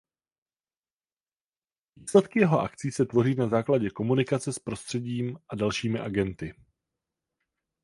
Výsledky jeho akcí se tvoří na základě komunikace s prostředím a dalšími agenty.